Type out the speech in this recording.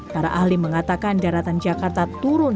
para ahli mengatakan daratan jakarta turun